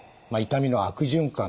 痛みの悪循環。